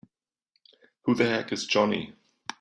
Who the heck is Johnny?!